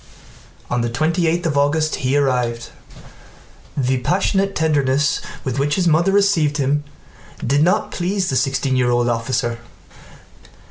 On the twenty eighth of August he arrived. The passionate tenderness with which his mother received him did not please the sixteen year old officer.